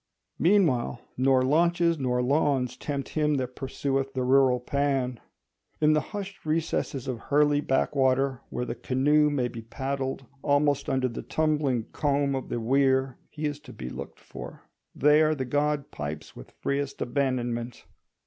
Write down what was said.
Meanwhile, nor launches nor lawns tempt him that pursueth the rural Pan. In the hushed recesses of Hurley backwater where the canoe may be paddled almost under the tumbling comb of the weir, he is to be looked for; there the god pipes with freest abandonment.